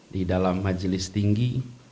di dalam majelis tinggi